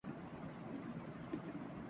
میں کل چھٹی کر ریا ہوں